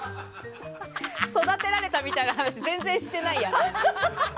育てられたみたいな話全然してないや。